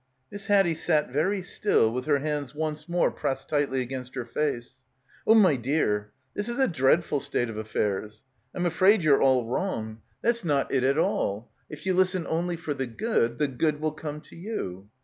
Miss Haddie sat very still with her hands once more pressed tightly against her face. "Oh, my dear. This is a dreadful state of af — 133 — PILGRIMAGE fairs. I'm afraid you're all wrong. That's not it at all. If you listen only for the good, the good will come to you."